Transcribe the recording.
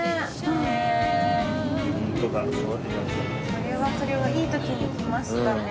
それはそれはいい時に来ましたね。